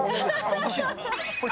おかしいな。